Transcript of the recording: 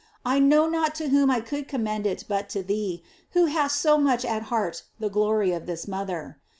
I know not to whom I could commend it but to thee, who hast so much at heart the glory of this mother.